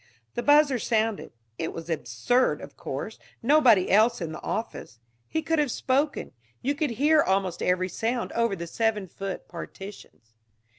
The buzzer sounded. It was absurd, of course; nobody else in the office. He could have spoken you could hear almost every sound over the seven foot partitions.